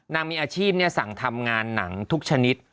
มีอาชีพสั่งทำงานหนังทุกชนิด